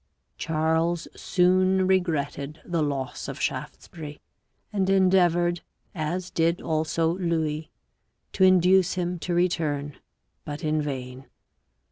Charles soon regretted the loss of Shaftesbury, and endeavoured, as did also Louis, to induce him to return, but in vain.